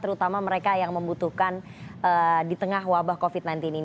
terutama mereka yang membutuhkan di tengah wabah covid sembilan belas ini